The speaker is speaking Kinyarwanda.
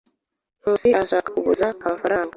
Nkusi arashaka kuguza amafaranga.